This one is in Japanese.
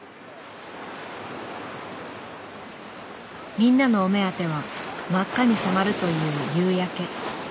みんなのお目当ては真っ赤に染まるという夕焼け。